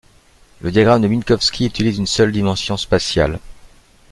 Le diagramme de Minkowski utilise une seule dimension spatiale.